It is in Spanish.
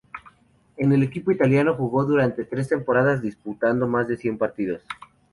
En el equipo italiano jugó durante tres temporadas disputando más de cien partidos.